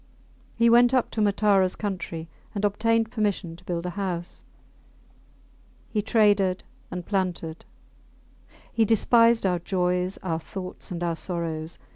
He went up to Mataras country and obtained permission to build a house. He traded and planted. He despised our joys, our thoughts, and our sorrows.